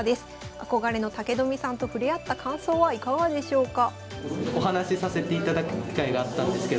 憧れの武富さんと触れ合った感想はいかがでしょうか。